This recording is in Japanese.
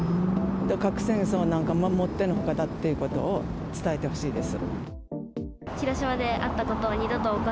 核戦争なんか、もってのほかだっていうことを伝えてほしいです。